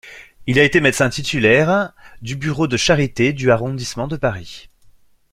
Il a été médecin titulaire du bureau de charité du arrondissement de Paris.